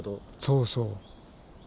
そうそう。